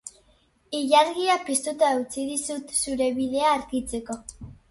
Ilargia piztuta utzi dizut zure bidea argitzeko